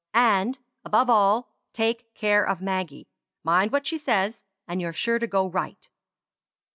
And, above all, take care of Maggie. Mind what she says, and you're sure to go right."